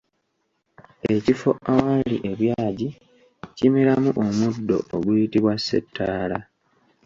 Ekifo awaali ebyagi kimeramu omuddo oguyitibwa ssettaala.